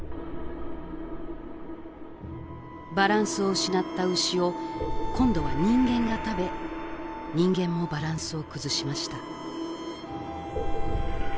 バランスを失った牛を今度は人間が食べ人間もバランスを崩しました